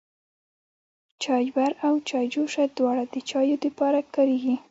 چايبر او چايجوشه دواړه د چايو د پاره کاريږي.